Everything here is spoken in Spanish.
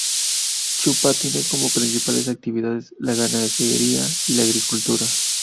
Chupa tiene como principales actividades la ganadería y la agricultura.